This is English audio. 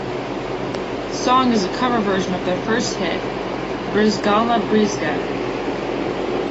The song is a cover version of their first hit Brizgalna Brizga.